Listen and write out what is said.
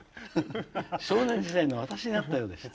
少年時代の私に会ったようでした。